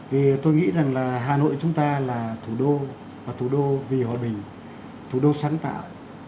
vì tôi nghĩ rằng là hà nội chúng ta là thủ đô và thủ đô vì hòa bình thủ đô sáng tạo